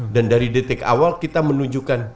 dan dari detik awal kita menunjukkan